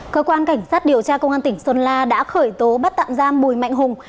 cơ quan cảnh sát điều tra công an tỉnh sơn la đã khởi tố bắt tạm giam bùi mạnh hùng